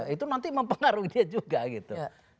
itu nanti mempengaruhi dia juga gitu